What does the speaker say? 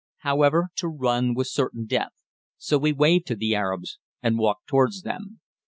However, to run was certain death, so we waved to the Arabs and walked towards them.